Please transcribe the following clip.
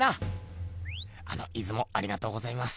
あのいつもありがとうございます。